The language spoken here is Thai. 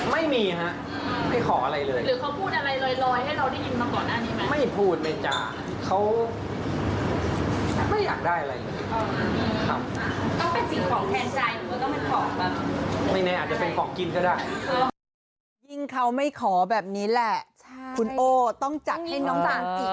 มันเกิดจัดจีนหรือยังใกล้จัดจัดจุดแล้ว